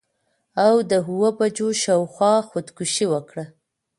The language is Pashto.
او د اووه بجو شا او خوا خودکشي وکړه.